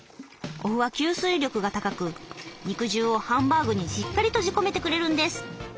お麩は吸水力が高く肉汁をハンバーグにしっかり閉じ込めてくれるんです。